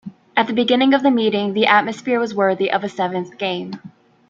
At the beginning of the meeting the atmosphere was worthy of a seventh game.